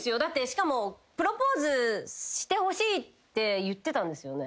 しかも「プロポーズしてほしい」って言ってたんですよね。